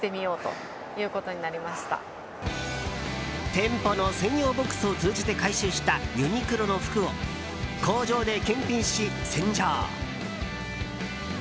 店舗の専用ボックスを通じて回収したユニクロの服を工場で検品し、洗浄。